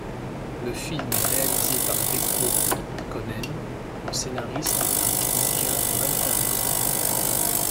Le film est réalisé par Veikko Itkonen, le scénariste étant Mika Waltari.